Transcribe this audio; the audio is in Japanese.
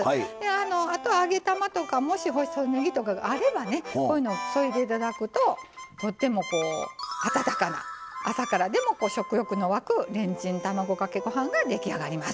あとは揚げ玉とかもし細ねぎとかがあればねこういうのを添えて頂くととっても温かな朝からでも食欲の湧くレンチン卵かけご飯が出来上がります。